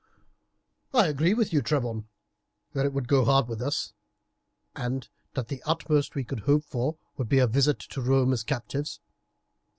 "I agree with you, Trebon, that it would go hard with us, and that the utmost we could hope for would be a visit to Rome as captives.